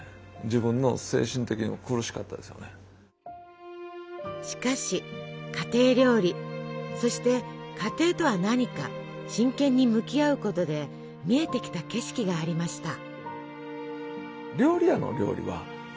自分のしかし家庭料理そして家庭とは何か真剣に向き合うことで見えてきた景色がありました。